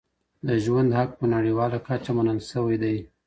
د ژوند حق په نړیواله کچه منل سوی دی.